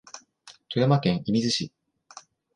富山県射水市